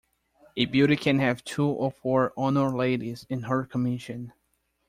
A Beauty can have two or four Honour Ladies in her commission.